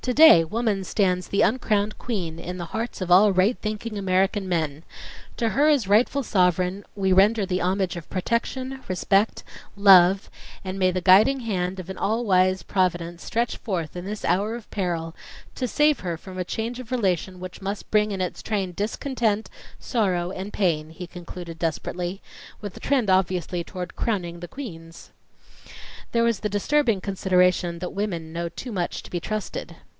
. "To day woman stands the uncrowned queen in the hearts of all right thinking American men; to her as rightful sovereign we render the homage of protection, respect, love, and may the guiding hand of an all wise Providence stretch forth in this hour of peril to save her from a change of relation which must bring in its train, discontent, sorrow, and pain," he concluded desperately, with the trend obviously toward "crowning" the queens. There was the disturbing consideration that women know too much to be trusted.